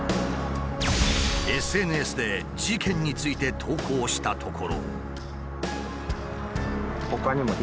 ＳＮＳで事件について投稿したところ。